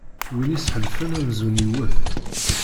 Win isḥellfen, amzun iwwet.